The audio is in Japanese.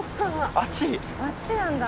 あっちなんだ。